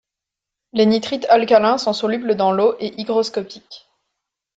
Les nitrites alcalins sont solubles dans l'eau et hygroscopiques.